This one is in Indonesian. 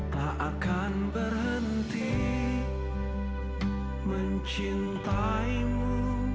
tak akan berhenti mencintaimu